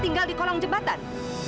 tinggal di kolong jembatan